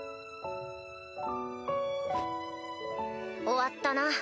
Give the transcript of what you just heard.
終わったな。